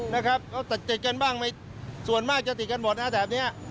นะครับแต่ติดกันบ้างส่วนมากจะติดกันหมดนะแต่แบบนี้